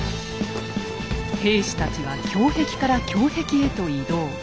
兵士たちは胸壁から胸壁へと移動。